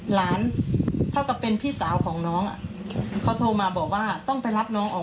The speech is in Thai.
หลานเขาก็เป็นพี่สาวของน้อง